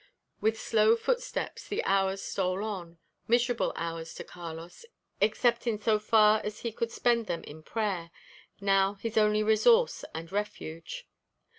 With slow footsteps the hours stole on; miserable hours to Carlos, except in so far as he could spend them in prayer, now his only resource and refuge.